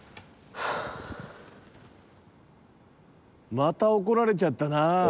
また怒られちゃったな。